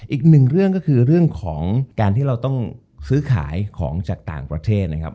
อีกหนึ่งเรื่องก็คือเรื่องของการที่เราต้องซื้อขายของจากต่างประเทศนะครับ